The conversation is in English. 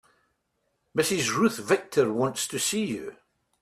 Mrs. Ruth Victor wants to see you.